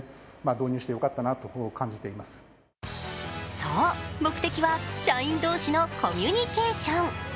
そう、目的は社員同士のコミュニケーション。